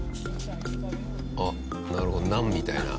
あっなるほどナンみたいな。